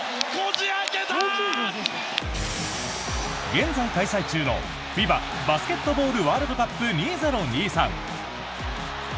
現在開催中のＦＩＢＡバスケットボールワールドカップ２０２３。